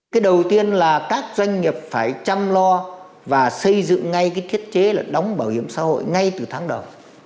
cái đầu tiên là các doanh nghiệp phải chăm lo và xây dựng ngay cái thiết chế là đóng bảo hiểm xã hội ngay từ tháng đầu